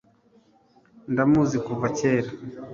ndamuzi kuva kera